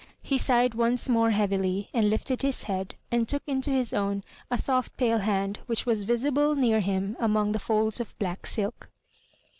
He sighed once more heavily, and lifted his head, and took into his own a soft pale hand which was visible near him among the folds of black silk.